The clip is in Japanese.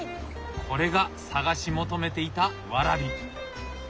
これが探し求めていたワラビ！